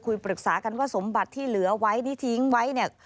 ปรึกษากันว่าสมบัติที่เหลือไว้นี่ทิ้งไว้เนี่ย